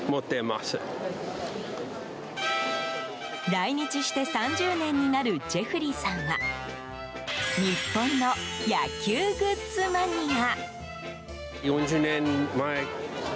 来日して３０年になるジェフリーさんは日本の野球グッズマニア。